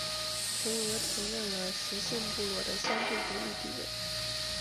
同俄承认了十姓部落的相对独立地位。